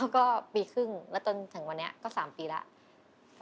ก็ปีครึ่งแล้วจนถึงวันนี้ก็๓ปีแล้ว